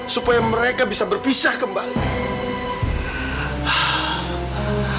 supaya mereka bisa berpisah kembali